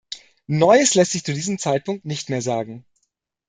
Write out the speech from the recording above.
Neues lässt sich zu diesem Zeitpunkt nicht mehr sagen.